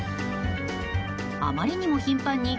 あまりにも頻繁に